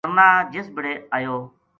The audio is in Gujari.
ترنا جس بِڑے ایو